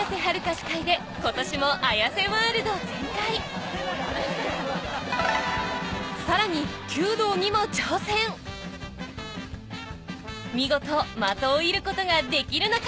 司会で今年も綾瀬ワールド全開さらに弓道にも挑戦見事的を射ることができるのか？